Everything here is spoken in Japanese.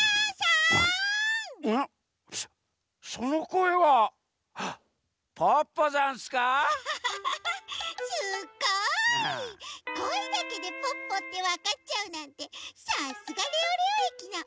こえだけでポッポってわかっちゃうなんてさすがレオレオえきのおとうさん！